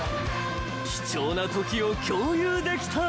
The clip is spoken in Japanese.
［貴重な時を共有できた］